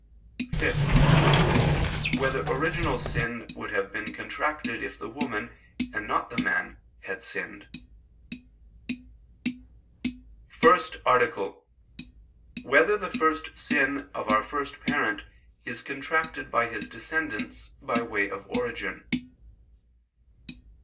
(5) Whether original sin would have been contracted if the woman, and not the man, had sinned? ________________________ FIRST ARTICLE [I II, Q. 81, Art. 1] Whether the First Sin of Our First Parent Is Contracted by His Descendants, by Way of Origin?